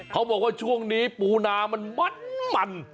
เขาบอกว่าช่วงนี้ปูนามันมัดมัน